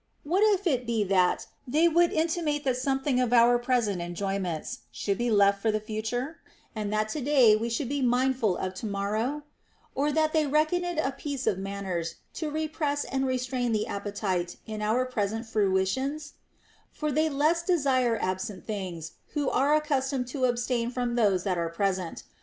What if it be that they would intimate that something of our present enjoyments should be left for the future, and that to day Ave should be mindful of to morrow \ Or that they reckon it a piece of manners to repress and restrain the appetite in our present fruitions 1 For they less desire absent things, who are accustomed to abstain from those that are present.